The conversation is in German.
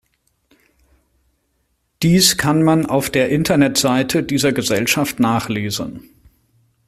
Dies kann man auf der Internet-Seite dieser Gesellschaft nachlesen.